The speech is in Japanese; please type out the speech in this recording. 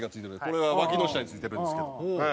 これはわきの下についてるんですけど。